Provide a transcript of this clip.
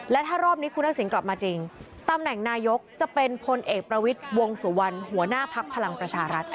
และถ้ารอบนี้คุณทักษิณกลับมาจริงตำแหน่งนายกจะเป็นพลเอกประวิทย์วงสุวรรณหัวหน้าพักพลังประชารัฐ